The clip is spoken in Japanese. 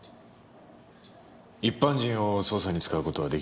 一般人を捜査に使う事はできないんだ。